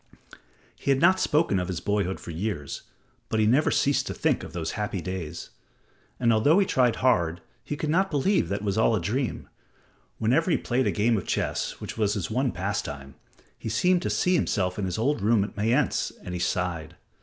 He had not spoken of his boyhood for years, but he never ceased to think of those happy days. And although he tried hard, he could not believe that it was all a dream. Whenever he played a game of chess, which was his one pastime, he seemed to see himself in his old room at Mayence, and he sighed.